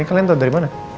ini kalian tahu dari mana